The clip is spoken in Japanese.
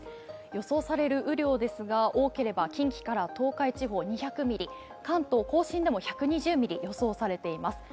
予想される雨量ですが、多ければ近畿から東海、２００ミリ、関東甲信でも１２０ミリ予想されています。